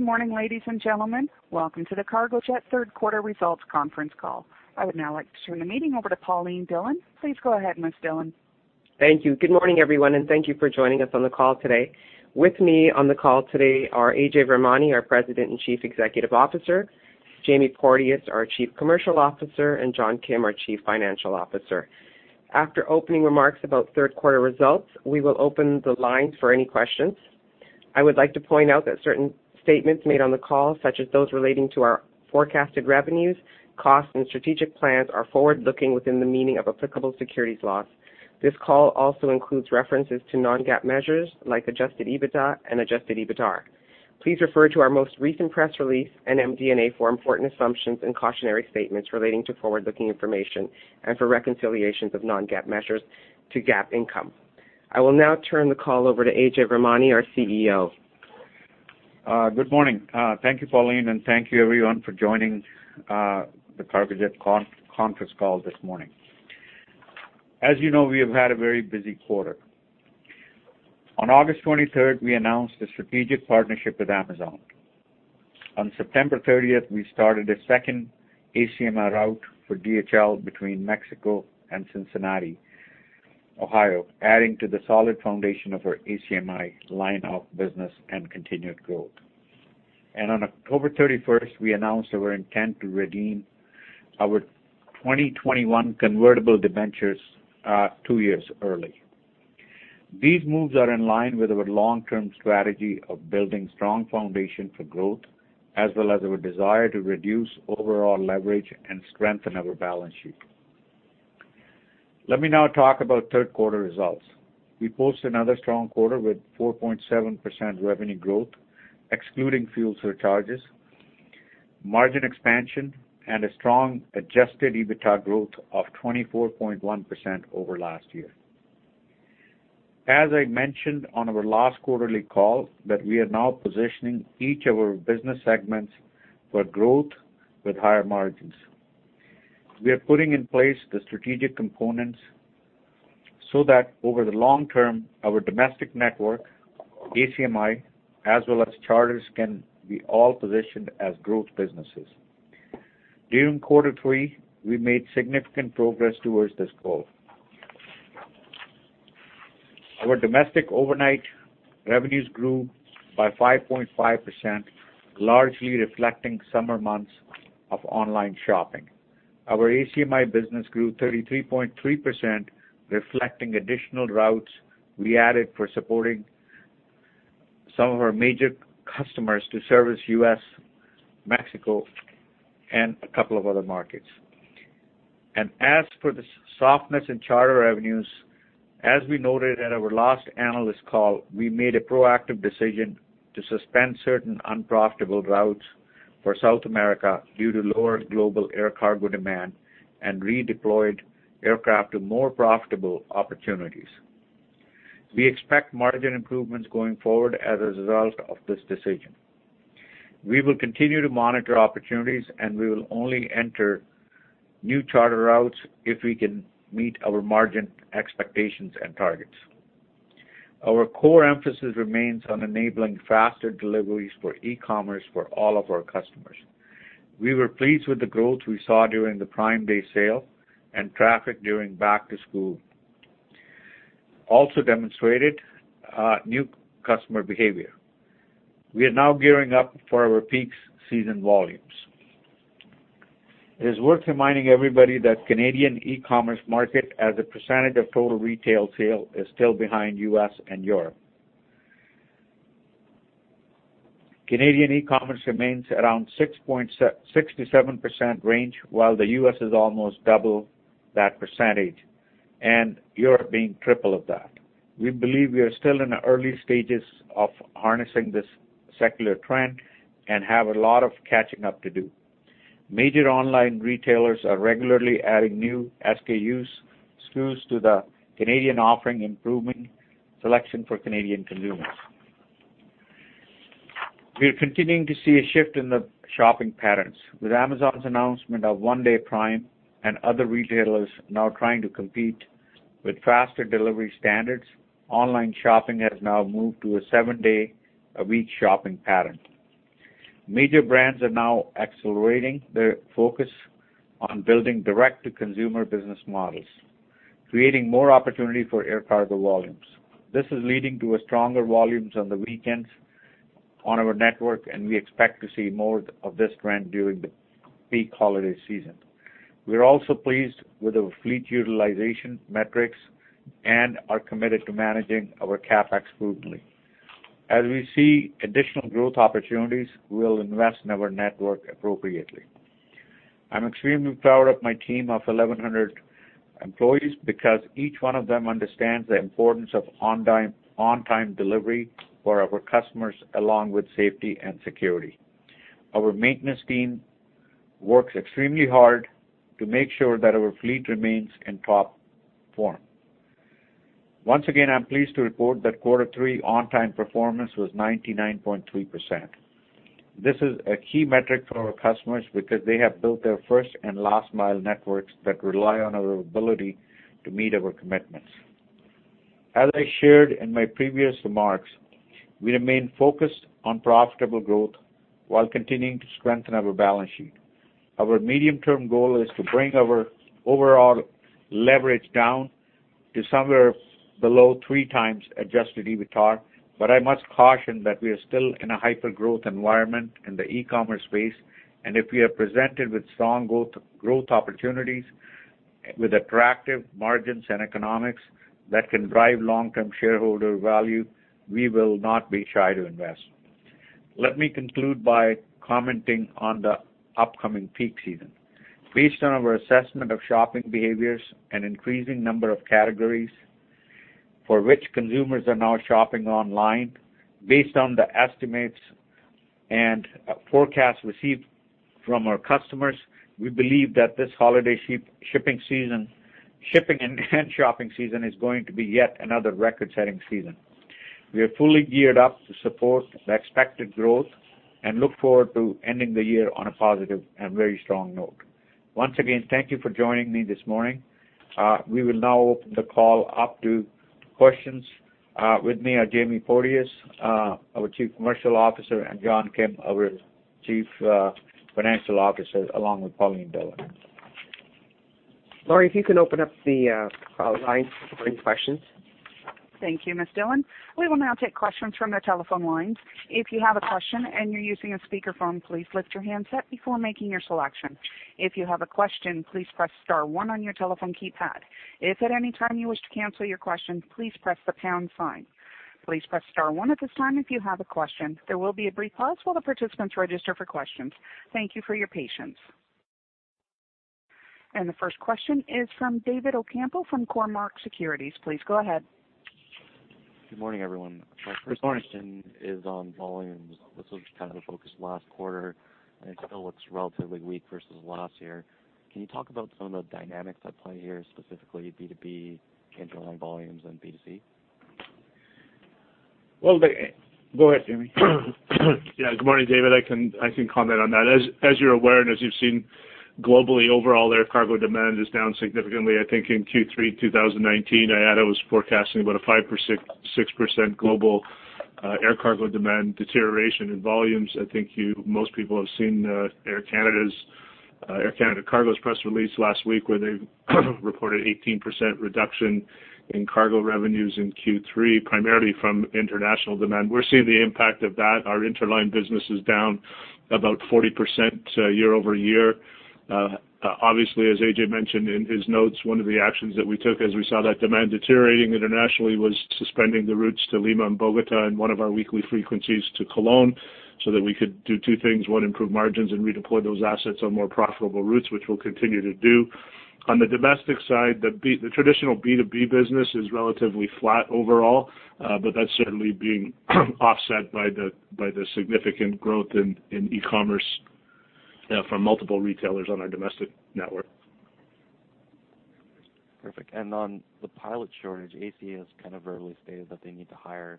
Good morning, ladies and gentlemen. Welcome to the Cargojet third quarter results conference call. I would now like to turn the meeting over to Pauline Dhillon. Please go ahead, Ms. Dhillon. Thank you. Good morning, everyone, and thank you for joining us on the call today. With me on the call today are Ajay Virmani, our President and Chief Executive Officer, Jamie Porteous, our Chief Commercial Officer, and John Kim, our Chief Financial Officer. After opening remarks about third quarter results, we will open the lines for any questions. I would like to point out that certain statements made on the call, such as those relating to our forecasted revenues, costs, and strategic plans, are forward-looking within the meaning of applicable securities laws. This call also includes references to non-GAAP measures like adjusted EBITDA and adjusted EBITDAR. Please refer to our most recent press release and MD&A for important assumptions and cautionary statements relating to forward-looking information and for reconciliations of non-GAAP measures to GAAP income. I will now turn the call over to Ajay Virmani, our CEO. Good morning. Thank you, Pauline, and thank you everyone for joining the Cargojet conference call this morning. On August 23rd, we announced a strategic partnership with Amazon. On September 30th, we started a second ACMI route for DHL between Mexico and Cincinnati, Ohio, adding to the solid foundation of our ACMI line of business and continued growth. On October 31st, we announced our intent to redeem our 2021 convertible debentures, two years early. These moves are in line with our long-term strategy of building strong foundation for growth, as well as our desire to reduce overall leverage and strengthen our balance sheet. Let me now talk about third quarter results. We posted another strong quarter with 4.7% revenue growth, excluding fuel surcharges, margin expansion, and a strong adjusted EBITDA growth of 24.1% over last year. As I mentioned on our last quarterly call, that we are now positioning each of our business segments for growth with higher margins. We are putting in place the strategic components so that over the long term, our domestic network, ACMI, as well as charters, can be all positioned as growth businesses. During quarter 3, we made significant progress towards this goal. Our domestic overnight revenues grew by 5.5%, largely reflecting summer months of online shopping. Our ACMI business grew 33.3%, reflecting additional routes we added for supporting some of our major customers to service U.S., Mexico, and a couple of other markets. As for the softness in charter revenues, as we noted at our last analyst call, we made a proactive decision to suspend certain unprofitable routes for South America due to lower global air cargo demand and redeployed aircraft to more profitable opportunities. We expect margin improvements going forward as a result of this decision. We will continue to monitor opportunities, and we will only enter new charter routes if we can meet our margin expectations and targets. Our core emphasis remains on enabling faster deliveries for e-commerce for all of our customers. We were pleased with the growth we saw during the Prime Day sale and traffic during back to school. Also demonstrated new customer behavior. We are now gearing up for our peak season volumes. It is worth reminding everybody that Canadian e-commerce market as a percentage of total retail sale is still behind U.S. and Europe. Canadian e-commerce remains around 6%-7% range, while the U.S. is almost double that percentage, and Europe being triple of that. We believe we are still in the early stages of harnessing this secular trend and have a lot of catching up to do. Major online retailers are regularly adding new SKUs to the Canadian offering, improving selection for Canadian consumers. We are continuing to see a shift in the shopping patterns. With Amazon's announcement of one-day Prime and other retailers now trying to compete with faster delivery standards, online shopping has now moved to a seven-day-a-week shopping pattern. Major brands are now accelerating their focus on building direct-to-consumer business models, creating more opportunity for air cargo volumes. This is leading to stronger volumes on the weekends on our network, and we expect to see more of this trend during the peak holiday season. We are also pleased with our fleet utilization metrics and are committed to managing our CapEx prudently. As we see additional growth opportunities, we'll invest in our network appropriately. I'm extremely proud of my team of 1,100 employees because each one of them understands the importance of on-time delivery for our customers, along with safety and security. Our maintenance team works extremely hard to make sure that our fleet remains in top form. Once again, I'm pleased to report that quarter three on-time performance was 99.3%. This is a key metric for our customers because they have built their first and last mile networks that rely on our ability to meet our commitments. As I shared in my previous remarks, we remain focused on profitable growth while continuing to strengthen our balance sheet. Our medium-term goal is to bring our overall leverage down to somewhere below three times adjusted EBITDAR. I must caution that we are still in a hyper-growth environment in the e-commerce space, and if we are presented with strong growth opportunities with attractive margins and economics that can drive long-term shareholder value, we will not be shy to invest. Let me conclude by commenting on the upcoming peak season. Based on our assessment of shopping behaviors, an increasing number of categories for which consumers are now shopping online. Based on the estimates and forecasts received from our customers, we believe that this holiday shipping and shopping season is going to be yet another record-setting season. We are fully geared up to support the expected growth and look forward to ending the year on a positive and very strong note. Once again, thank you for joining me this morning. We will now open the call up to questions. With me are Jamie Porteous, our Chief Commercial Officer, and John Kim, our Chief Financial Officer, along with Pauline Dhillon. Laurie, if you can open up the call line for any questions. Thank you, Ms. Dhillon. We will now take questions from the telephone lines. If you have a question and you're using a speakerphone, please lift your handset before making your selection. If you have a question, please press star one on your telephone keypad. If at any time you wish to cancel your question, please press the pound sign. Please press star one at this time if you have a question. There will be a brief pause while the participants register for questions. Thank you for your patience. The first question is from David Ocampo from Cormark Securities. Please go ahead. Good morning, everyone. Good morning. My first question is on volumes. This was kind of the focus last quarter, and it still looks relatively weak versus last year. Can you talk about some of the dynamics at play here, specifically B2B, interline volumes, and B2C? Well, go ahead, Jamie. Yeah. Good morning, David. I can comment on that. As you're aware, and as you've seen globally, overall air cargo demand is down significantly. I think in Q3 2019, IATA was forecasting about a 5%, 6% global air cargo demand deterioration in volumes. I think most people have seen Air Canada Cargo's press release last week, where they reported 18% reduction in cargo revenues in Q3, primarily from international demand. We're seeing the impact of that. Our interline business is down about 40% year-over-year. Obviously, as AJ mentioned in his notes, one of the actions that we took as we saw that demand deteriorating internationally was suspending the routes to Lima and Bogota and one of our weekly frequencies to Cologne so that we could do two things. One, improve margins and redeploy those assets on more profitable routes, which we'll continue to do. On the domestic side, the traditional B2B business is relatively flat overall, but that's certainly being offset by the significant growth in e-commerce from multiple retailers on our domestic network. Perfect. On the pilot shortage, AC has verbally stated that they need to hire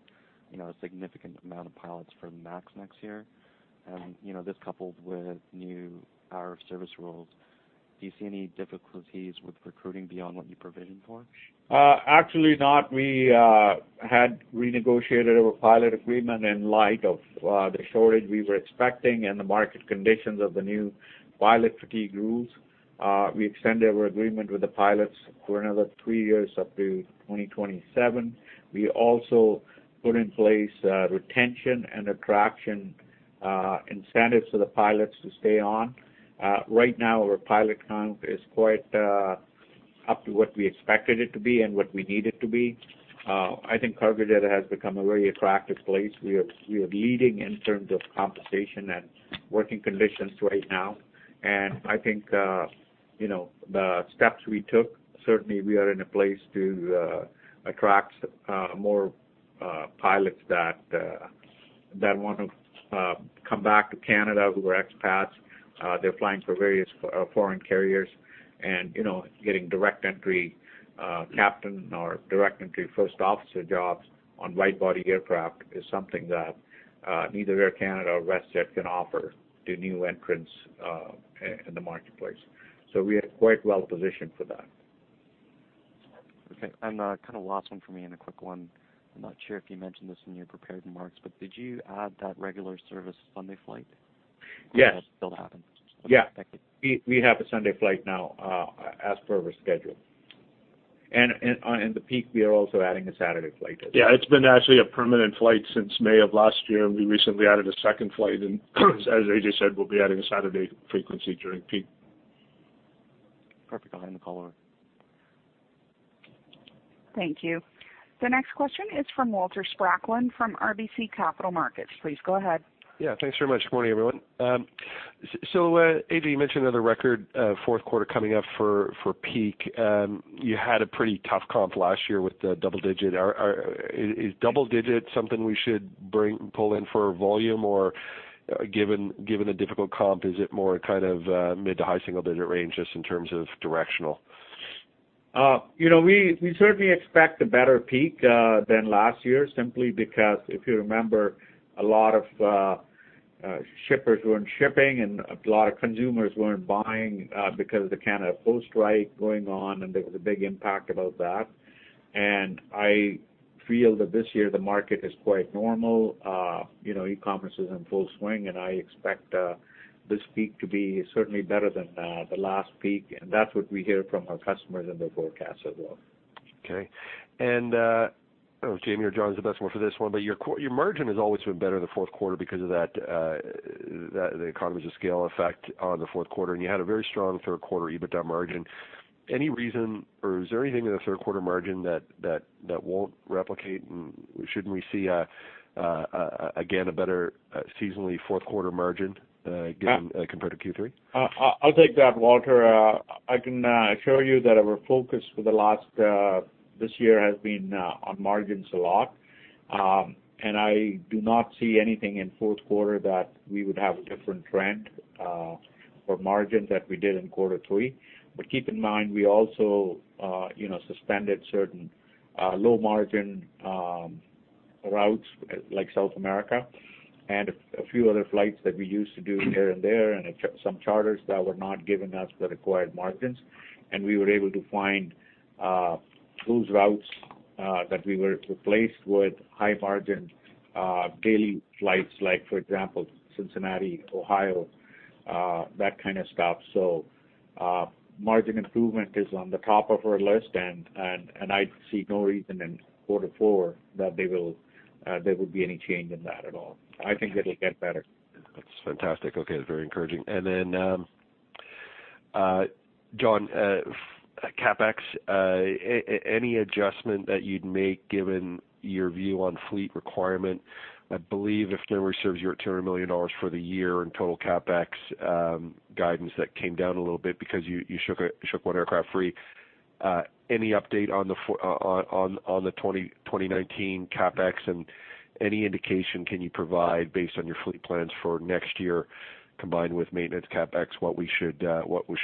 a significant amount of pilots for MAX next year. This coupled with new hour of service rules, do you see any difficulties with recruiting beyond what you provisioned for? Actually not. We had renegotiated our pilot agreement in light of the shortage we were expecting and the market conditions of the new pilot fatigue rules. We extended our agreement with the pilots for another three years up to 2027. We also put in place retention and attraction incentives for the pilots to stay on. Right now, our pilot count is quite up to what we expected it to be and what we need it to be. I think Cargojet has become a very attractive place. We are leading in terms of compensation and working conditions right now. I think the steps we took, certainly we are in a place to attract more pilots that want to come back to Canada, who are expats. They're flying for various foreign carriers and getting direct entry captain or direct entry first officer jobs on wide-body aircraft is something that neither Air Canada or WestJet can offer to new entrants in the marketplace. We are quite well-positioned for that. Okay. Kind of last one for me and a quick one. I'm not sure if you mentioned this in your prepared remarks, did you add that regular service Sunday flight? Yes. Will that still happen? Yeah. Okay. Thank you. We have a Sunday flight now as per our schedule. In the peak, we are also adding a Saturday flight as well. Yeah. It's been actually a permanent flight since May of last year, and we recently added a second flight, and as AJ said, we'll be adding a Saturday frequency during peak. Perfect. I'll hand the call over. Thank you. The next question is from Walter Spracklin from RBC Capital Markets. Please go ahead. Yeah. Thanks very much. Good morning, everyone. AJ, you mentioned another record fourth quarter coming up for peak. You had a pretty tough comp last year with the double digit. Is double digit something we should pull in for volume? Given the difficult comp, is it more kind of mid to high single digit range just in terms of directional? We certainly expect a better peak than last year, simply because if you remember, a lot of shippers weren't shipping and a lot of consumers weren't buying because of the Canada Post strike going on, and there was a big impact about that. I feel that this year the market is quite normal. E-commerce is in full swing, and I expect this peak to be certainly better than the last peak, and that's what we hear from our customers and their forecasts as well. Okay. I don't know if Jamie or John is the best one for this one, but your margin has always been better in the fourth quarter because of the economies of scale effect on the fourth quarter, and you had a very strong third quarter EBITDA margin. Any reason, or is there anything in the third quarter margin that won't replicate, and shouldn't we see, again, a better seasonally fourth quarter margin again compared to Q3? I'll take that, Walter. I can assure you that our focus for this year has been on margins a lot. I do not see anything in fourth quarter that we would have a different trend for margins that we did in quarter three. Keep in mind, we also suspended certain low-margin routes like South America and a few other flights that we used to do here and there, and some charters that were not giving us the required margins. We were able to find those routes that we were to replace with high-margin daily flights, like for example, Cincinnati, Ohio, that kind of stuff. Margin improvement is on the top of our list, and I see no reason in quarter four that there will be any change in that at all. I think it'll get better. That's fantastic. Okay. That's very encouraging. John, CapEx, any adjustment that you'd make given your view on fleet requirement? I believe, if memory serves you, 200 million dollars for the year in total CapEx guidance, that came down a little bit because you shook one aircraft free. Any update on the 2019 CapEx and any indication can you provide based on your fleet plans for next year combined with maintenance CapEx, what we should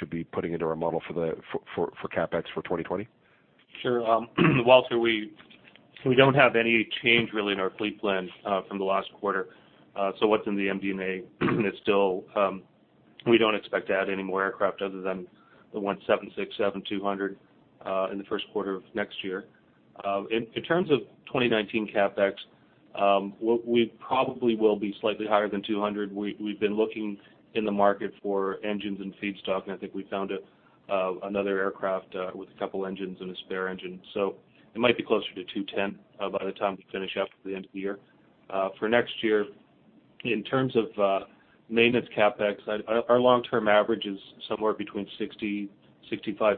be putting into our model for CapEx for 2020? Sure. Walter, we don't have any change, really, in our fleet plan from the last quarter. What's in the MD&A, we don't expect to add any more aircraft other than the one 767-200 in the first quarter of next year. In terms of 2019 CapEx, we probably will be slightly higher than 200 million. We've been looking in the market for engines and feedstock, and I think we found another aircraft with a couple engines and a spare engine. It might be closer to 210 million by the time we finish up at the end of the year. For next year, in terms of maintenance CapEx, our long-term average is somewhere between 60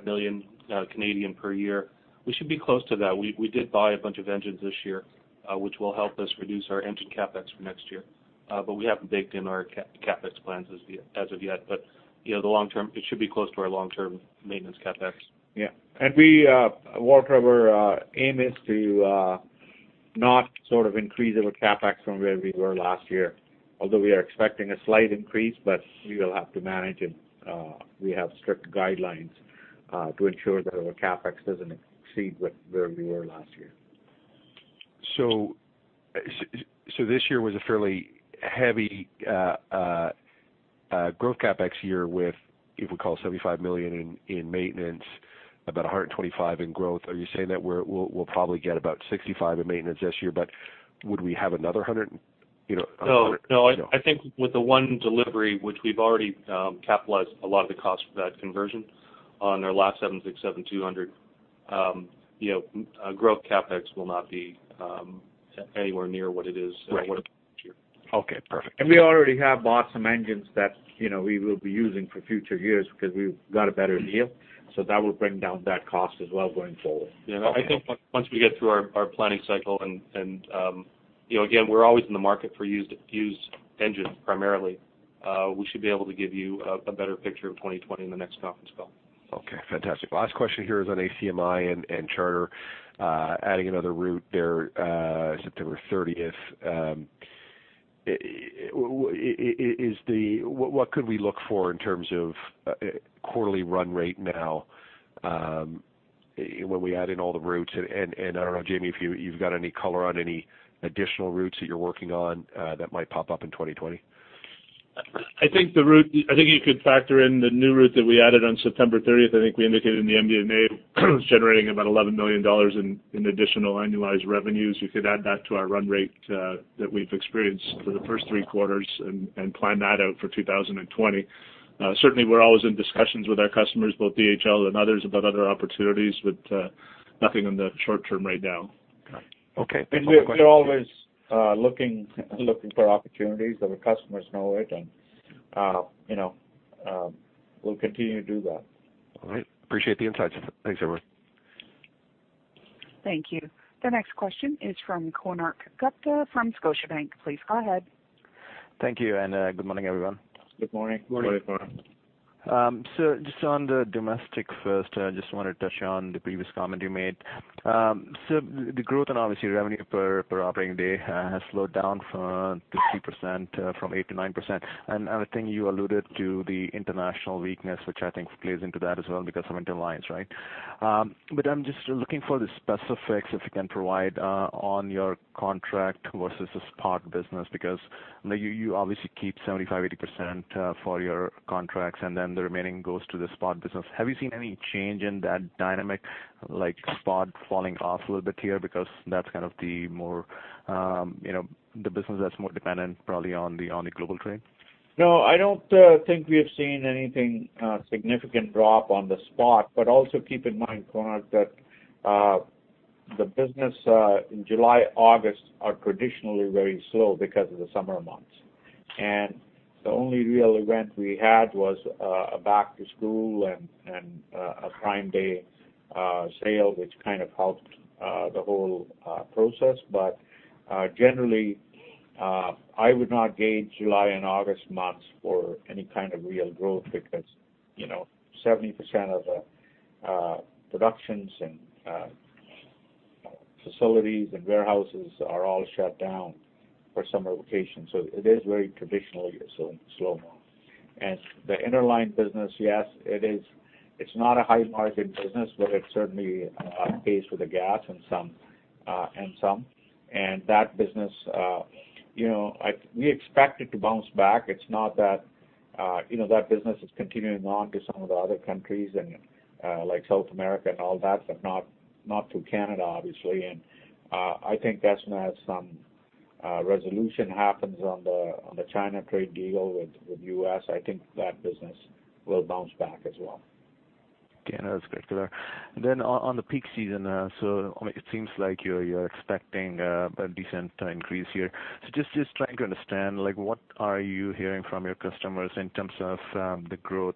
million-65 million per year. We should be close to that. We did buy a bunch of engines this year, which will help us reduce our engine CapEx for next year. We haven't baked in our CapEx plans as of yet. It should be close to our long-term maintenance CapEx. Yeah. Walter, our aim is to not increase our CapEx from where we were last year, although we are expecting a slight increase, but we will have to manage it. We have strict guidelines to ensure that our CapEx doesn't exceed where we were last year. This year was a fairly heavy growth CapEx year with, if we call it, 75 million in maintenance, about 125 in growth. Are you saying that we'll probably get about 65 in maintenance this year, but would we have another 100? No. I think with the one delivery, which we've already capitalized a lot of the cost for that conversion on our last 767-200, growth CapEx will not be anywhere near what it is. Right this year. Okay, perfect. We already have bought some engines that we will be using for future years because we've got a better deal. That will bring down that cost as well going forward. Okay. I think once we get through our planning cycle, and again, we're always in the market for used engines, primarily. We should be able to give you a better picture of 2020 in the next conference call. Okay, fantastic. Last question here is on ACMI and charter. Adding another route there September 30th. What could we look for in terms of quarterly run rate now when we add in all the routes? I don't know, Jamie, if you've got any color on any additional routes that you're working on that might pop up in 2020? I think you could factor in the new route that we added on September 30th. I think we indicated in the MD&A generating about 11 million dollars in additional annualized revenues. You could add that to our run rate that we've experienced for the first three quarters and plan that out for 2020. We're always in discussions with our customers, both DHL and others, about other opportunities, with nothing in the short term right now. Okay. We're always looking for opportunities, our customers know it, and we'll continue to do that. All right. Appreciate the insights. Thanks, everyone. Thank you. The next question is from Konark Gupta from Scotiabank. Please go ahead. Thank you, and good morning, everyone. Good morning. Morning. Just on the domestic first, just wanted to touch on the previous comment you made. The growth and obviously revenue per operating day has slowed down to 3%, from 8%-9%. I think you alluded to the international weakness, which I think plays into that as well because of interlines, right? I'm just looking for the specifics, if you can provide, on your contract versus the spot business, because you obviously keep 75%-80% for your contracts and then the remaining goes to the spot business. Have you seen any change in that dynamic, like spot falling off a little bit here because that's the business that's more dependent probably on the global trade? No, I don't think we have seen anything significant drop on the spot. Also keep in mind, Konark, that the business in July, August are traditionally very slow because of the summer months. The only real event we had was a back to school and a Prime Day sale, which kind of helped the whole process. Generally, I would not gauge July and August months for any kind of real growth because 70% of the productions and facilities and warehouses are all shut down for summer vacation. It is very traditionally a slow month. The Interline business, yes, it's not a high-margin business, but it certainly pays for the gas and some. That business, we expect it to bounce back. It's not that business is continuing on to some of the other countries, like South America and all that, but not to Canada, obviously. I think as some resolution happens on the China trade deal with U.S., I think that business will bounce back as well. Okay. No, that's great. On the peak season, it seems like you're expecting a decent increase here. Just trying to understand, what are you hearing from your customers in terms of the growth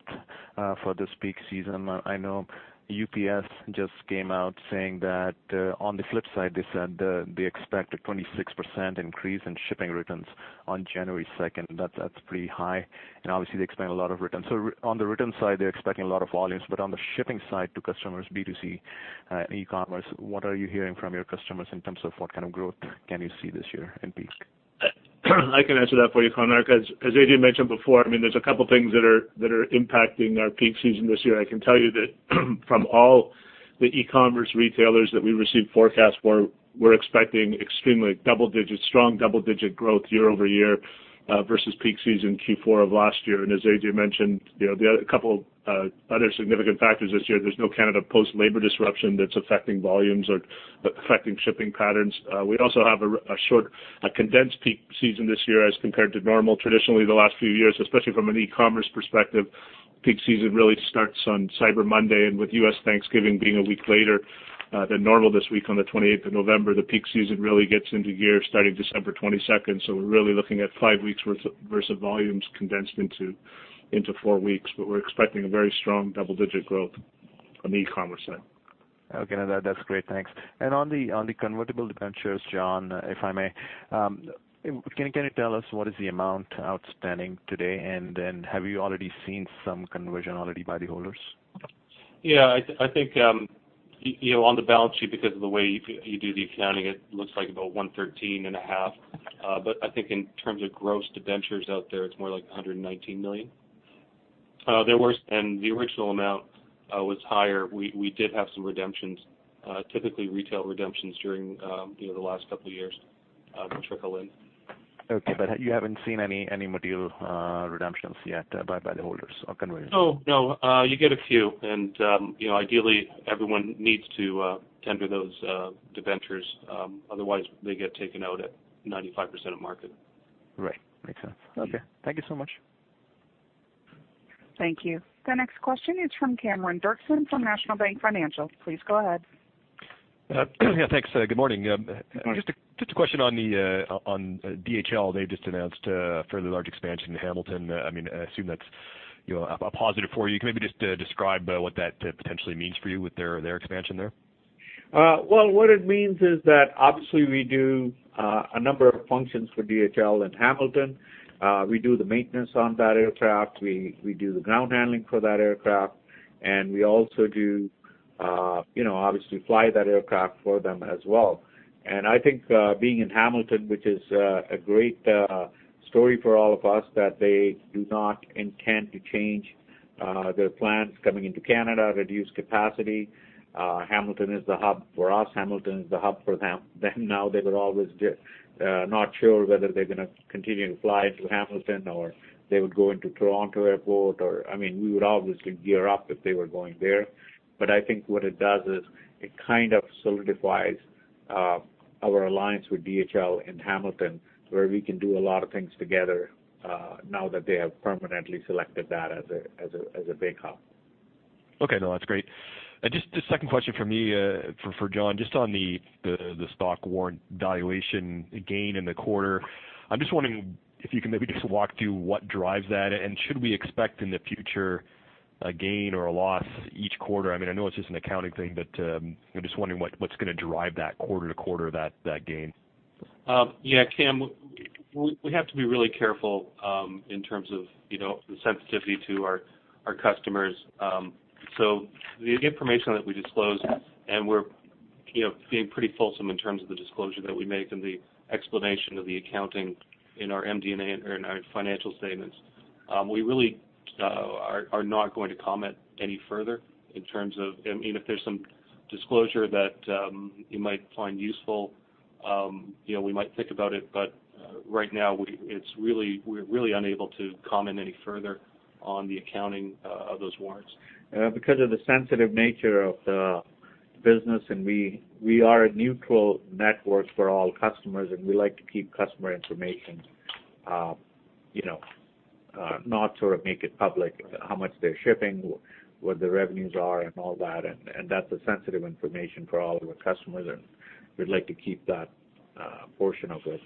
for this peak season? I know UPS just came out saying that, on the flip side, they said they expect a 26% increase in shipping returns on January 2nd. That's pretty high, obviously they expect a lot of returns. On the return side, they're expecting a lot of volumes, on the shipping side to customers, B2C, e-commerce, what are you hearing from your customers in terms of what kind of growth can you see this year in peak? I can answer that for you, Konark. As AJ mentioned before, there's a couple things that are impacting our peak season this year. I can tell you that from all the e-commerce retailers that we receive forecasts for, we're expecting extremely strong double-digit growth year-over-year, versus peak season Q4 of last year. As AJ mentioned, the other couple other significant factors this year, there's no Canada Post labor disruption that's affecting volumes or affecting shipping patterns. We also have a condensed peak season this year as compared to normal. Traditionally, the last few years, especially from an e-commerce perspective, peak season really starts on Cyber Monday. With U.S. Thanksgiving being a week later than normal this week, on the 28th of November, the peak season really gets into gear starting December 22nd. We're really looking at five weeks worth of volumes condensed into four weeks. We're expecting a very strong double-digit growth on the e-commerce side. Okay. No, that's great. Thanks. On the convertible debentures, John, if I may, can you tell us what is the amount outstanding today, and then have you already seen some conversion already by the holders? Yeah, I think on the balance sheet, because of the way you do the accounting, it looks like about 113.5 million. I think in terms of gross debentures out there, it's more like 119 million. The original amount was higher. We did have some redemptions, typically retail redemptions during the last couple of years, trickle in. Okay, you haven't seen any material redemptions yet by the holders or conversion? No. You get a few, and ideally everyone needs to tender those debentures. Otherwise, they get taken out at 95% of market. Right. Makes sense. Okay. Thank you so much. Thank you. The next question is from Cameron Doerksen from National Bank Financial. Please go ahead. Yeah, thanks. Good morning. Good morning. Just a question on DHL. They've just announced a fairly large expansion in Hamilton. I assume that's a positive for you. Can you maybe just describe what that potentially means for you with their expansion there? Well, what it means is that obviously we do a number of functions for DHL in Hamilton. We do the maintenance on that aircraft, we do the ground handling for that aircraft, and we also obviously fly that aircraft for them as well. I think being in Hamilton, which is a great story for all of us, that they do not intend to change their plans coming into Canada, reduce capacity. Hamilton is the hub for us, Hamilton is the hub for them. They were always not sure whether they're going to continue to fly to Hamilton, or they would go into Toronto Airport. We would obviously gear up if they were going there. I think what it does is it kind of solidifies our alliance with DHL in Hamilton, where we can do a lot of things together now that they have permanently selected that as a big hub. Okay. No, that's great. Just a second question from me for John, just on the stock warrant valuation gain in the quarter. I'm just wondering if you can maybe just walk through what drives that, and should we expect in the future a gain or a loss each quarter? I know it's just an accounting thing, but I'm just wondering what's going to drive that quarter to quarter, that gain. Cam, we have to be really careful in terms of the sensitivity to our customers. The information that we disclose, and we're being pretty fulsome in terms of the disclosure that we make and the explanation of the accounting in our MD&A and our financial statements. We really are not going to comment any further if there's some disclosure that you might find useful, we might think about it, but right now we're really unable to comment any further on the accounting of those warrants. Because of the sensitive nature of the business, and we are a neutral network for all customers, and we like to keep customer information private, not make it public how much they're shipping, what the revenues are, and all that. That's sensitive information for all of our customers, and we'd like to keep that portion of it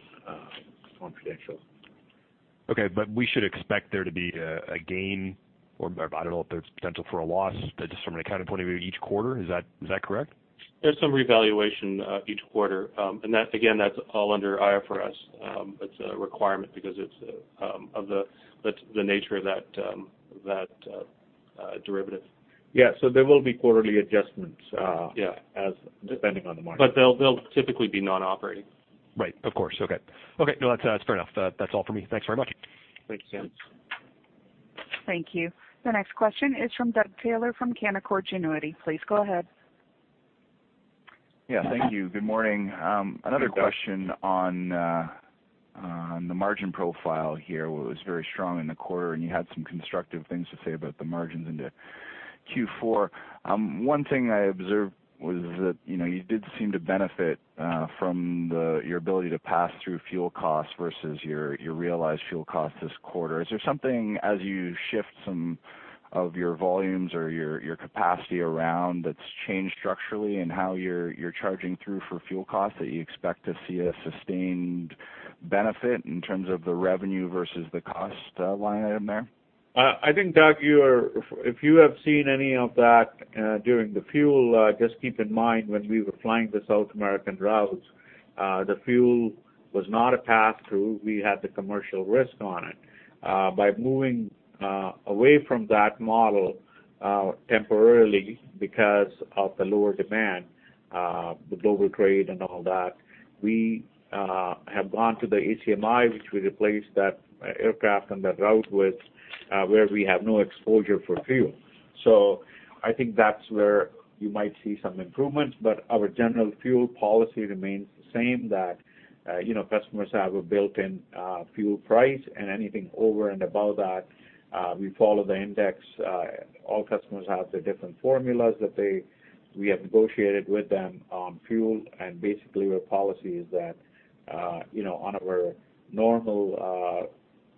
confidential. Okay. We should expect there to be a gain, or I don't know if there's potential for a loss, just from an accounting point of view each quarter. Is that correct? There's some revaluation each quarter. Again, that's all under IFRS. It's a requirement because it's the nature of that derivative. Yeah. There will be quarterly adjustments- Yeah depending on the market. They'll typically be non-operating. Right. Of course. Okay. That's fair enough. That's all for me. Thanks very much. Thank you. Thank you. The next question is from Doug Taylor from Canaccord Genuity. Please go ahead. Yeah. Thank you. Good morning. Good morning. Another question on the margin profile here. It was very strong in the quarter, and you had some constructive things to say about the margins into Q4. One thing I observed was that you did seem to benefit from your ability to pass through fuel costs versus your realized fuel cost this quarter. Is there something, as you shift some of your volumes or your capacity around, that's changed structurally in how you're charging through for fuel costs, that you expect to see a sustained benefit in terms of the revenue versus the cost line item there? I think, Doug, if you have seen any of that during the fuel, just keep in mind, when we were flying the South American routes, the fuel was not a pass-through. We had the commercial risk on it. By moving away from that model temporarily because of the lower demand, the global trade and all that, we have gone to the ACMI, which we replaced that aircraft and that route with, where we have no exposure for fuel. I think that's where you might see some improvements. Our general fuel policy remains the same, that customers have a built-in fuel price, and anything over and above that, we follow the index. All customers have their different formulas that we have negotiated with them on fuel. Basically, our policy is that on our normal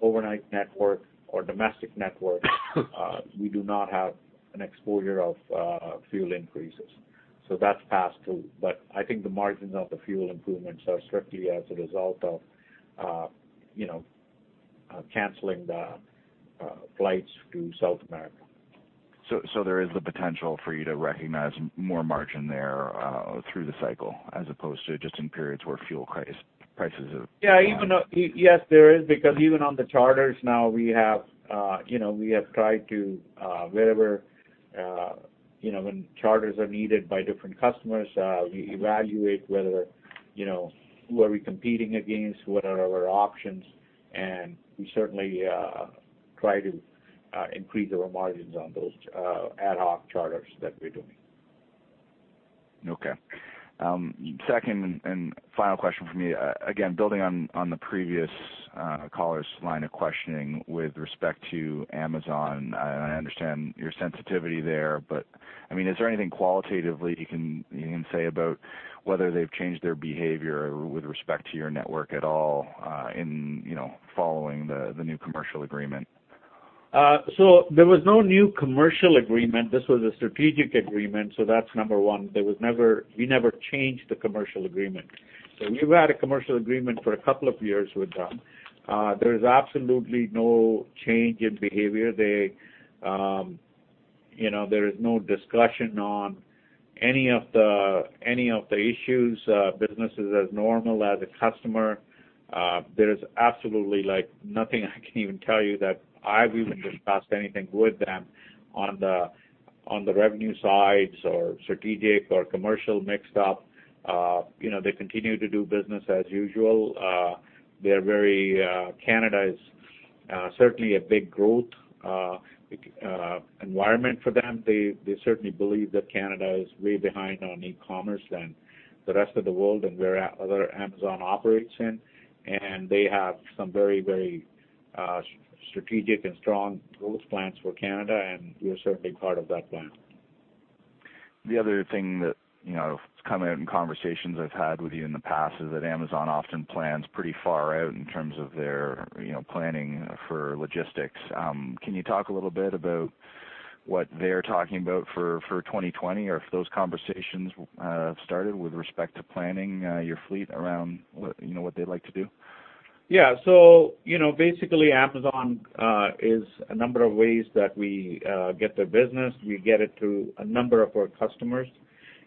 overnight network or domestic network, we do not have an exposure of fuel increases. That's pass-through. I think the margins of the fuel improvements are strictly as a result of canceling the flights to South America. There is the potential for you to recognize more margin there through the cycle, as opposed to just in periods where fuel prices have gone up. Yes, there is, because even on the charters now, when charters are needed by different customers, we evaluate who are we competing against, what are our options, and we certainly try to increase our margins on those ad hoc charters that we're doing. Okay. Second, final question from me. Again, building on the previous caller's line of questioning with respect to Amazon, I understand your sensitivity there. Is there anything qualitatively you can say about whether they've changed their behavior with respect to your network at all in following the new commercial agreement? There was no new commercial agreement. This was a strategic agreement. That's number one. We never changed the commercial agreement. We've had a commercial agreement for a couple of years with them. There is absolutely no change in behavior. There is no discussion on any of the issues. Business is as normal as a customer. There is absolutely nothing I can even tell you that I've even discussed anything with them on the revenue sides or strategic or commercial mix-up. They continue to do business as usual. Canada is certainly a big growth environment for them. They certainly believe that Canada is way behind on e-commerce than the rest of the world and where other Amazon operates in. They have some very strategic and strong growth plans for Canada, and we are certainly part of that plan. The other thing that has come out in conversations I've had with you in the past is that Amazon often plans pretty far out in terms of their planning for logistics. Can you talk a little bit about what they're talking about for 2020, or if those conversations have started with respect to planning your fleet around what they'd like to do? Basically, Amazon is a number of ways that we get their business. We get it through a number of our customers.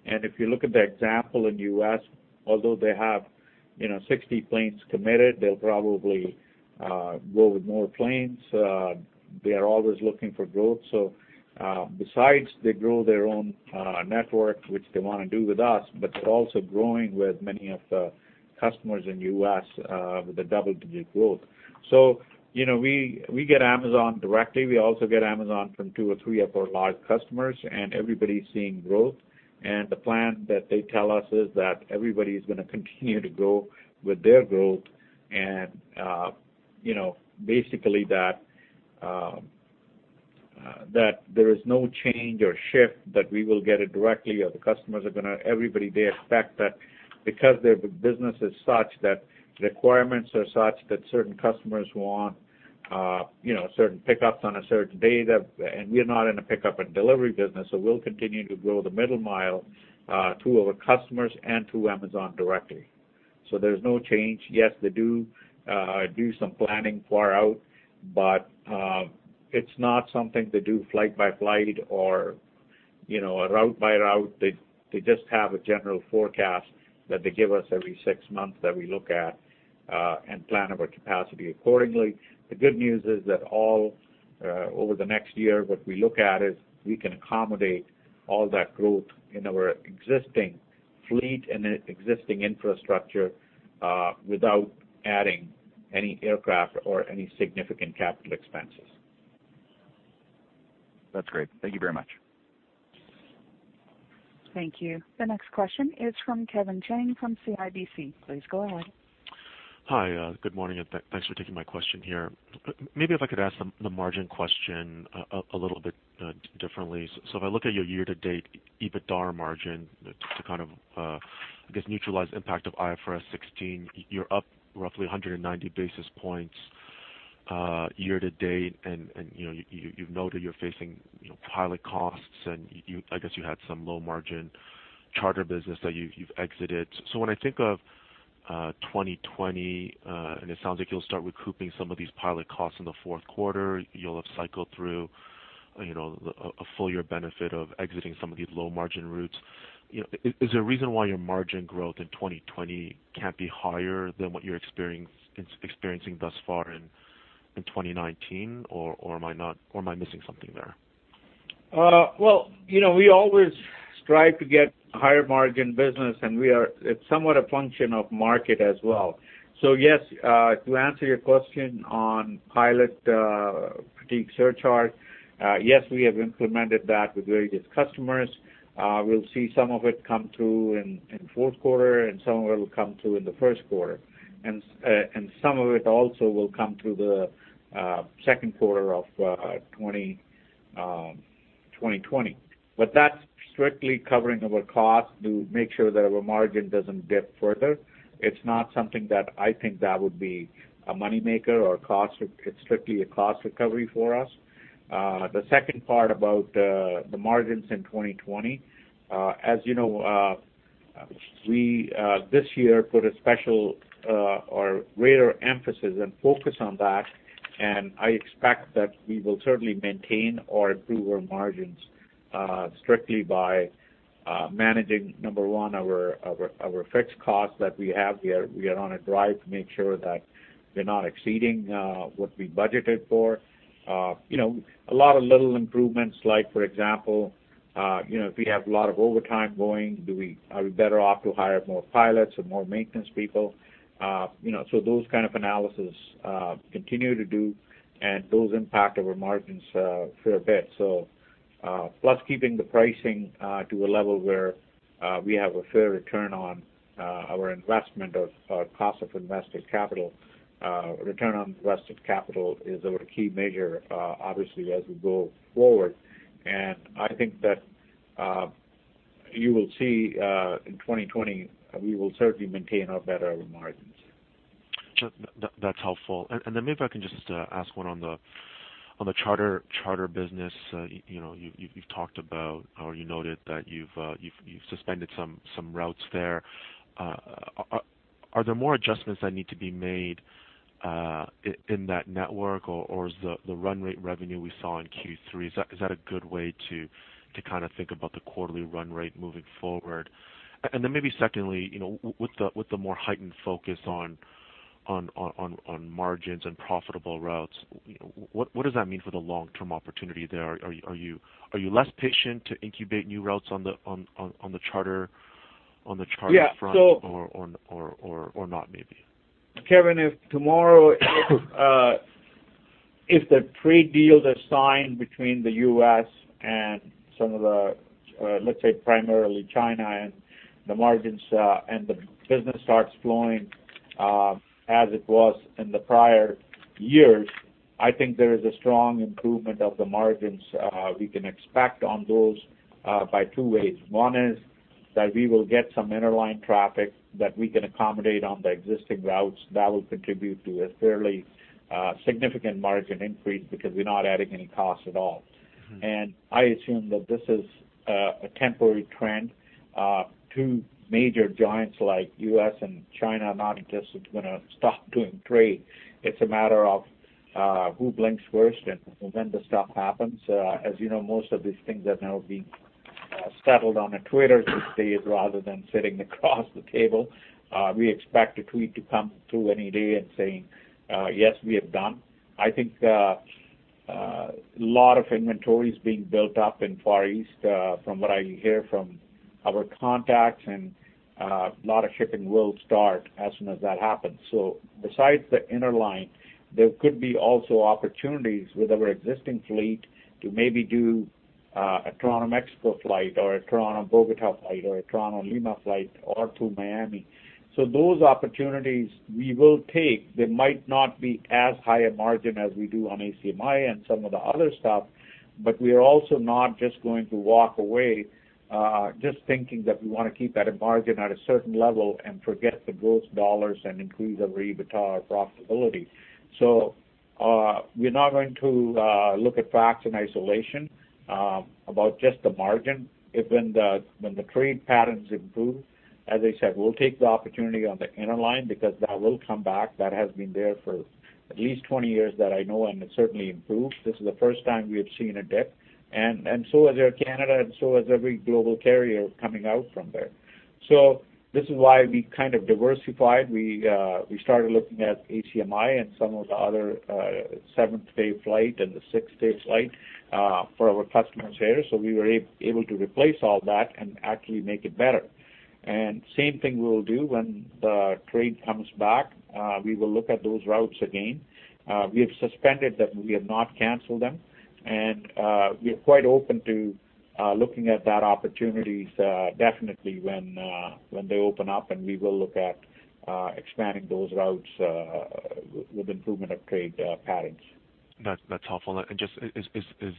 If you look at the example in U.S., although they have 60 planes committed, they'll probably go with more planes. They are always looking for growth. Besides, they grow their own network, which they want to do with us, but they're also growing with many of the customers in U.S. with a double-digit growth. We get Amazon directly. We also get Amazon from two or three of our large customers, and everybody's seeing growth. The plan that they tell us is that everybody's going to continue to grow with their growth, basically that there is no change or shift that we will get it directly or everybody, they expect that because their business is such that requirements are such that certain customers want certain pickups on a certain day. We're not in a pickup and delivery business, so we'll continue to grow the middle mile to our customers and to Amazon directly. There's no change. Yes, they do some planning far out, but it's not something they do flight by flight or route by route. They just have a general forecast that they give us every six months that we look at and plan our capacity accordingly. The good news is that all over the next year, what we look at is we can accommodate all that growth in our existing fleet and existing infrastructure without adding any aircraft or any significant capital expenses. That's great. Thank you very much. Thank you. The next question is from Kevin Chiang from CIBC. Please go ahead. Hi, good morning, and thanks for taking my question here. Maybe if I could ask the margin question a little bit differently. If I look at your year-to-date EBITDA margin to kind of, I guess, neutralize impact of IFRS 16, you're up roughly 190 basis points year-to-date, and you've noted you're facing pilot costs, and I guess you had some low-margin charter business that you've exited. When I think of 2020, and it sounds like you'll start recouping some of these pilot costs in the fourth quarter, you'll have cycled through a full-year benefit of exiting some of these low-margin routes. Is there a reason why your margin growth in 2020 can't be higher than what you're experiencing thus far in 2019? Or am I missing something there? Well, we always strive to get higher margin business, and it's somewhat a function of market as well. Yes, to answer your question on pilot fatigue surcharge, yes, we have implemented that with various customers. We'll see some of it come through in fourth quarter, and some of it will come through in the first quarter. Some of it also will come through the second quarter of 2020. That's strictly covering our cost to make sure that our margin doesn't dip further. It's not something that I think that would be a money maker or it's strictly a cost recovery for us. The second part about the margins in 2020. As you know, we this year put a special or greater emphasis and focus on that, and I expect that we will certainly maintain or improve our margins strictly by managing, number one, our fixed costs that we have here. We are on a drive to make sure that we're not exceeding what we budgeted for. A lot of little improvements, like for example, if we have a lot of overtime going, are we better off to hire more pilots or more maintenance people? Those kind of analysis continue to do, and those impact our margins a fair bit. Keeping the pricing to a level where we have a fair return on our investment of our cost of invested capital. Return on invested capital is our key measure, obviously, as we go forward. I think that you will see in 2020, we will certainly maintain or better our margins. That's helpful. Maybe if I can just ask one on the charter business. You've talked about or you noted that you've suspended some routes there. Are there more adjustments that need to be made in that network, or is the run rate revenue we saw in Q3, is that a good way to think about the quarterly run rate moving forward? Maybe secondly, with the more heightened focus on margins and profitable routes, what does that mean for the long-term opportunity there? Are you less patient to incubate new routes on the charter front? Yeah, so- Not, maybe. Kevin, if tomorrow if the trade deal is signed between the U.S. and some of the, let's say, primarily China and the margins and the business starts flowing as it was in the prior years, I think there is a strong improvement of the margins we can expect on those by two ways. One is that we will get some interline traffic that we can accommodate on the existing routes that will contribute to a fairly significant margin increase because we're not adding any cost at all. I assume that this is a temporary trend. Two major giants like U.S. and China are not just going to stop doing trade. It's a matter of who blinks first and when the stuff happens. As you know, most of these things are now being settled on a Twitter these days rather than sitting across the table. We expect a tweet to come through any day and saying, "Yes, we are done." I think a lot of inventory is being built up in Far East, from what I hear from our contacts, and a lot of shipping will start as soon as that happens. Besides the interline, there could be also opportunities with our existing fleet to maybe do a Toronto-Mexico flight or a Toronto-Bogota flight or a Toronto-Lima flight or to Miami. Those opportunities we will take, they might not be as high a margin as we do on ACMI and some of the other stuff, but we are also not just going to walk away, just thinking that we want to keep that margin at a certain level and forget the gross dollars and increase our EBITDA profitability. We're not going to look at facts in isolation about just the margin. When the trade patterns improve, as I said, we'll take the opportunity on the interline because that will come back. That has been there for at least 20 years that I know, and it certainly improved. This is the first time we have seen a dip, and so has Air Canada and so has every global carrier coming out from there. This is why we diversified. We started looking at ACMI and some of the other seventh day flight and the sixth day flight for our customers here. We were able to replace all that and actually make it better. Same thing we will do when the trade comes back. We will look at those routes again. We have suspended them, we have not canceled them. We are quite open to looking at that opportunities definitely when they open up and we will look at expanding those routes with improvement of trade patterns. That's helpful. Just is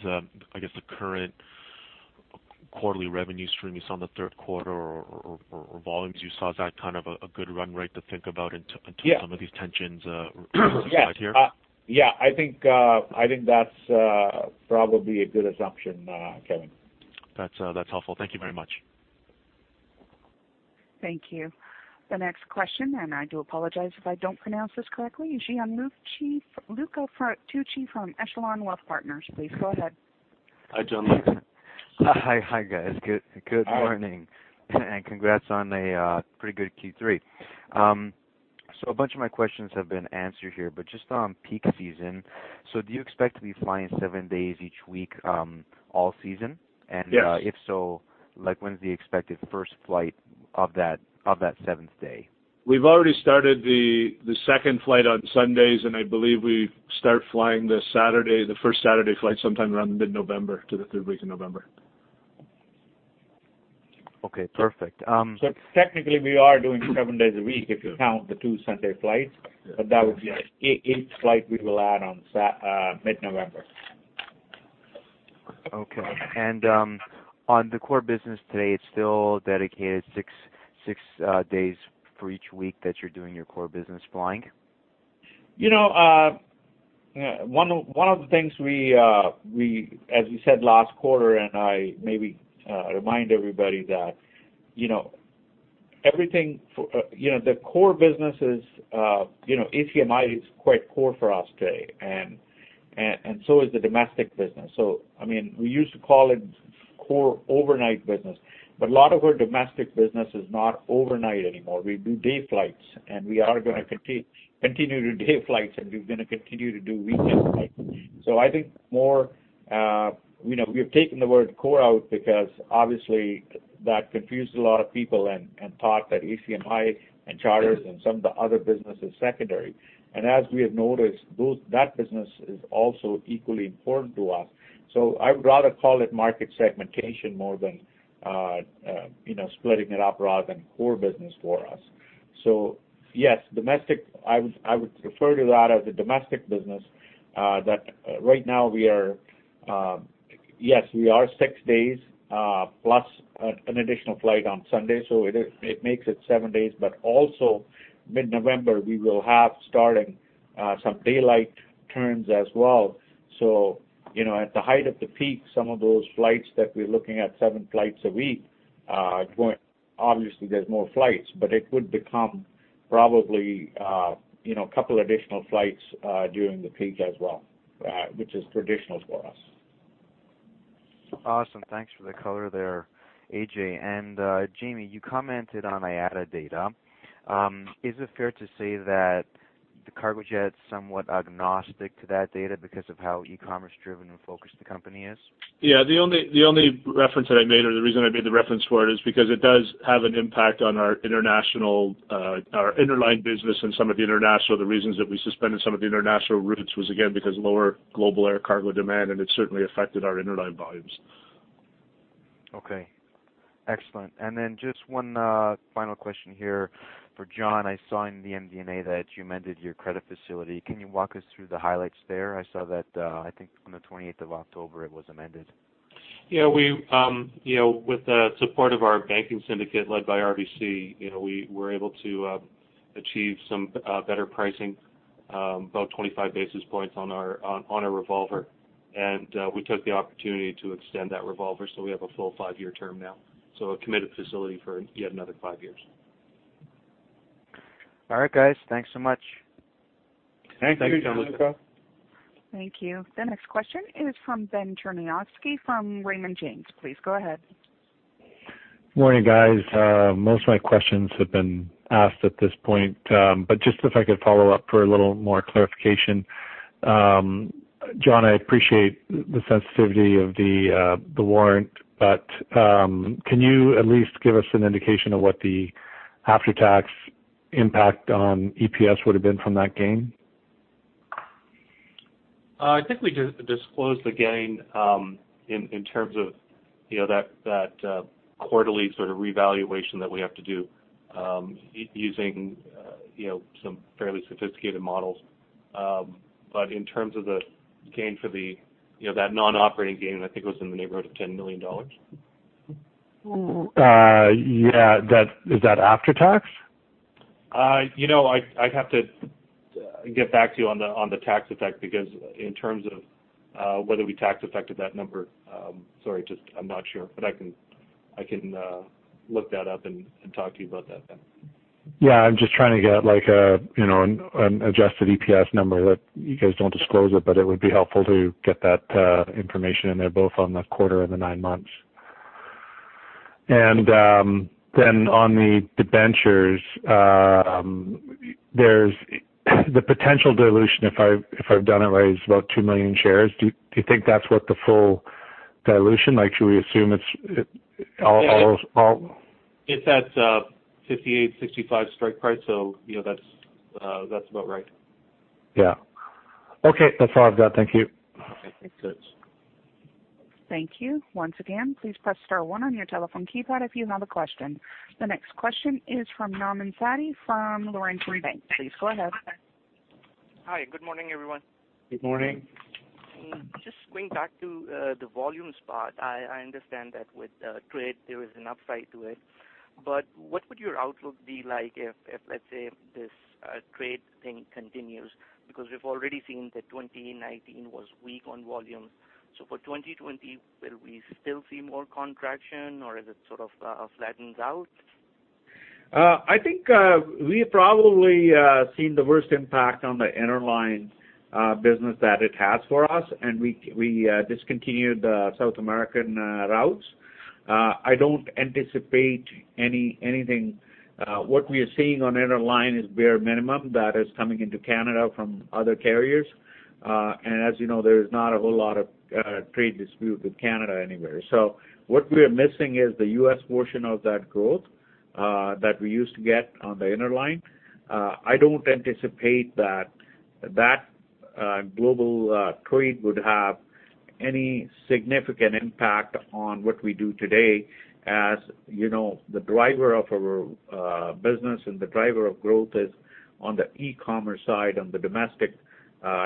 the current quarterly revenue stream you saw in the third quarter or volumes, you saw as that kind of a good run rate to think about? Yeah some of these tensions subside here? Yeah. I think that's probably a good assumption, Kevin. That's helpful. Thank you very much. Thank you. The next question, and I do apologize if I don't pronounce this correctly, is Gianluca Tucci from Echelon Wealth Partners. Please, go ahead. Hi, Gianluca. Hi, guys. Good morning. Hi. Congrats on a pretty good Q3. A bunch of my questions have been answered here, but just on peak season. Do you expect to be flying seven days each week all season? Yes. If so, when is the expected first flight of that seventh day? We've already started the second flight on Sundays, and I believe we start flying the Saturday, the first Saturday flight, sometime around the mid-November to the third week of November. Okay, perfect. Technically, we are doing seven days a week if you count the two Sunday flights. Yeah. That would be eighth flight we will add on mid-November. Okay. On the core business today, it's still dedicated six days for each week that you're doing your core business flying? One of the things as we said last quarter, I maybe remind everybody that the core business is, ACMI is quite core for us today and so is the domestic business. We used to call it core overnight business, a lot of our domestic business is not overnight anymore. We do day flights, we are going to continue to do day flights, we're going to continue to do weekend flights. I think we have taken the word core out because obviously that confused a lot of people and thought that ACMI and charters and some of the other business is secondary. As we have noticed, that business is also equally important to us. I would rather call it market segmentation more than splitting it up rather than core business for us. Yes, domestic, I would refer to that as a domestic business, that right now we are six days, plus an additional flight on Sunday, so it makes it seven days, but also mid-November, we will have starting some daylight turns as well. At the height of the peak, some of those flights that we're looking at seven flights a week, obviously there's more flights, but it would become probably a couple additional flights during the peak as well, which is traditional for us. Awesome. Thanks for the color there, AJ. Jamie, you commented on IATA data. Is it fair to say that the Cargojet is somewhat agnostic to that data because of how e-commerce driven and focused the company is? Yeah. The only reference that I made, or the reason I made the reference for it, is because it does have an impact on our interline business and some of the international. The reasons that we suspended some of the international routes was, again, because lower global air cargo demand, and it certainly affected our interline volumes. Okay. Excellent. Just one final question here for John. I saw in the MD&A that you amended your credit facility. Can you walk us through the highlights there? I saw that, I think on the 28th of October, it was amended. Yeah. With the support of our banking syndicate led by RBC, we were able to achieve some better pricing, about 25 basis points on our revolver. We took the opportunity to extend that revolver, so we have a full five-year term now. A committed facility for yet another five years. All right, guys. Thanks so much. Thank you, Gianluca. Thank you. Thank you. The next question is from Ben Cherniavsky from Raymond James. Please go ahead. Morning, guys. Most of my questions have been asked at this point. Just if I could follow up for a little more clarification. John, I appreciate the sensitivity of the warrant, but can you at least give us an indication of what the after-tax impact on EPS would have been from that gain? I think we disclosed the gain in terms of that quarterly sort of revaluation that we have to do using some fairly sophisticated models. In terms of the gain for that non-operating gain, I think it was in the neighborhood of CAD 10 million. Yeah. Is that after tax? I'd have to get back to you on the tax effect because in terms of whether we tax affected that number, sorry, just I'm not sure. I can look that up and talk to you about that then. Yeah, I'm just trying to get an adjusted EPS number that you guys don't disclose it, but it would be helpful to get that information in there, both on the quarter and the nine months. Then on the debentures, there's the potential dilution, if I've done it right, is about two million shares. Do you think that's what the full dilution, should we assume it's all. It's at 58, 65 strike price, so that's about right. Yeah. Okay. That's all I've got. Thank you. Okay, thanks. Thank you. Once again, please press star one on your telephone keypad if you have a question. The next question is from Nauman Satti from Laurentian Bank. Please go ahead. Hi, good morning, everyone. Good morning. Just going back to the volumes part. I understand that with trade, there is an upside to it, but what would your outlook be like if, let's say, this trade thing continues? We've already seen that 2019 was weak on volume. For 2020, will we still see more contraction, or is it sort of flattens out? I think we've probably seen the worst impact on the interline business that it has for us, and we discontinued the South American routes. I don't anticipate anything. What we are seeing on interline is bare minimum that is coming into Canada from other carriers. As you know, there is not a whole lot of trade dispute with Canada anywhere. What we're missing is the U.S. portion of that growth that we used to get on the interline. I don't anticipate that global trade would have any significant impact on what we do today. As you know, the driver of our business and the driver of growth is on the e-commerce side, on the domestic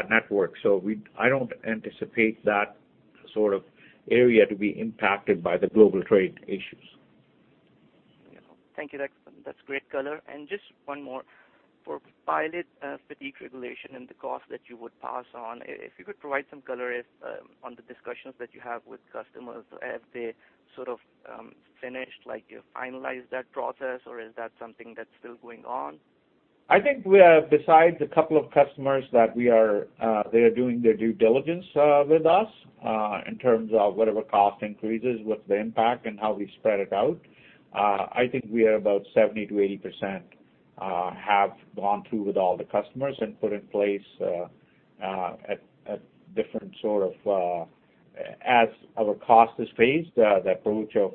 network. I don't anticipate that sort of area to be impacted by the global trade issues. Thank you. That's great color. Just one more. For pilot fatigue regulation and the cost that you would pass on, if you could provide some color on the discussions that you have with customers. Have they sort of finished, like you finalized that process, or is that something that's still going on? I think we are, besides a couple of customers that they are doing their due diligence with us in terms of whatever cost increases, what's the impact and how we spread it out. I think we are about 70%-80% have gone through with all the customers and put in place a different sort of, as our cost is phased, the approach of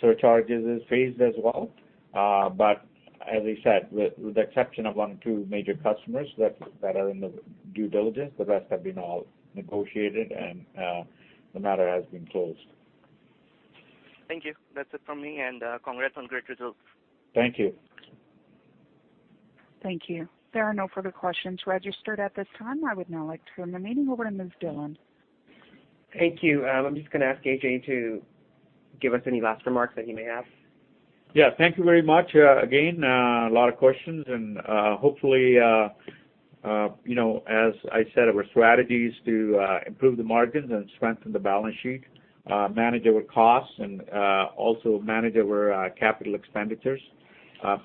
surcharges is phased as well. As I said, with the exception of one or two major customers that are in the due diligence, the rest have been all negotiated, and the matter has been closed. Thank you. That's it from me. Congrats on great results. Thank you. Thank you. There are no further questions registered at this time. I would now like to turn the meeting over to Ms. Dhillon. Thank you. I'm just going to ask AJ to give us any last remarks that he may have. Yeah. Thank you very much. Again, a lot of questions and hopefully, as I said, our strategies to improve the margins and strengthen the balance sheet, manage our costs, and also manage our capital expenditures,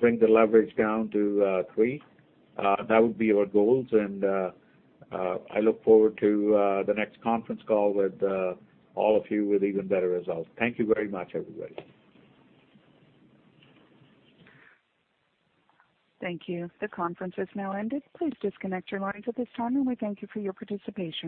bring the leverage down to three. That would be our goals, and I look forward to the next conference call with all of you with even better results. Thank you very much, everybody. Thank you. The conference has now ended. Please disconnect your lines at this time, and we thank you for your participation.